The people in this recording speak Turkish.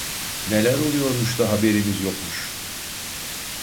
Neler oluyormuş da haberimiz yokmuş!